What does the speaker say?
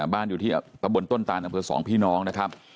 บ้านอยู่ที่มีกษาบลต้นตานำเผือสองพี่น้องนะครับ